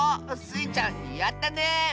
スイちゃんやったね！